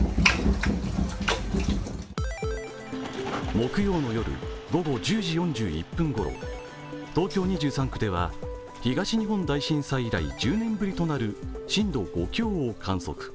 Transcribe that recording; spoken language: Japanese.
木曜の夜、午後１０時４１分ごろ東京２３区では東日本大震災以来１０年ぶりとなる震度５強を観測。